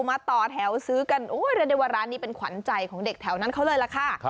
มาต่อแถวซื้อกันเรียกได้ว่าร้านนี้เป็นขวัญใจของเด็กแถวนั้นเขาเลยล่ะค่ะ